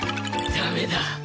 ダメだ！